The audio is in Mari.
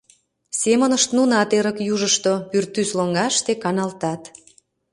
Семынышт нунат эрык южышто, пӱртӱс лоҥгаште каналтат.